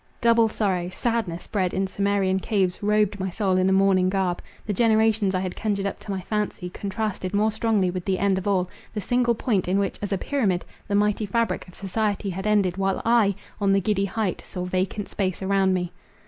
Double sorrow—sadness, bred in Cimmerian caves, robed my soul in a mourning garb. The generations I had conjured up to my fancy, contrasted more strongly with the end of all —the single point in which, as a pyramid, the mighty fabric of society had ended, while I, on the giddy height, saw vacant space around me.